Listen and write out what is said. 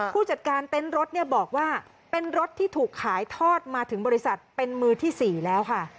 ผู้จัดการเต็นต์รถเนี่ยบอกว่าเป็นรถที่ถูกขายทอดมาถึงบริษัทเป็นมือที่๔แล้วค่ะ